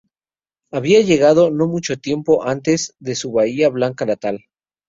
Había llegado no mucho tiempo antes de su Bahía Blanca natal.